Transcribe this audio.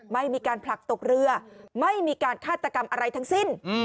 ไม่มีการผลักตกเรือไม่มีการฆาตกรรมอะไรทั้งสิ้น